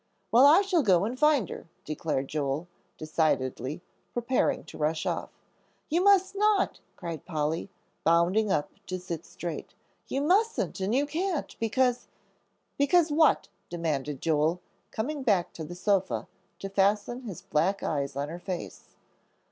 "Well, I shall go and find her," declared Joel, decidedly, preparing to rush off. "You must not," cried Polly, bounding up to sit straight. "You mustn't and you can't, because " "Because what?" demanded Joel, coming back to the sofa to fasten his black eyes on her face.